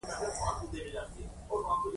يوه پرائمري سايکوپېت